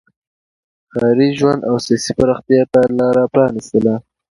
ښاري ژوند او سیاسي پراختیا ته یې لار پرانیسته.